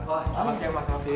wah selamat siang mas nabil